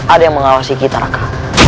ada yang mengawasi kita raka